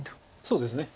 そうですね。